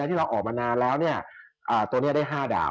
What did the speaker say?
ที่เราออกมานานแล้วตัวนี้ได้๕ดาบ